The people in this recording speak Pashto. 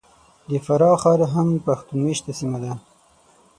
د فراه ښار هم پښتون مېشته سیمه ده .